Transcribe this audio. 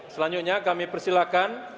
selanjutnya kami persilakan